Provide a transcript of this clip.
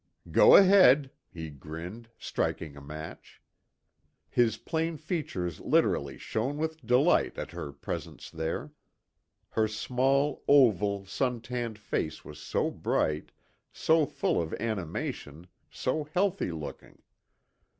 "Go ahead," he grinned, striking a match. His plain features literally shone with delight at her presence there. Her small oval, sun tanned face was so bright, so full of animation, so healthy looking.